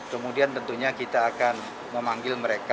kemudian tentunya kita akan memanggil mereka